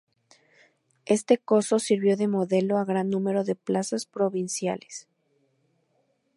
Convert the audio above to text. Este coso sirvió de modelo a gran número de plazas provinciales.